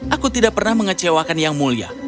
aku tidak pernah mengecewakan yang mulia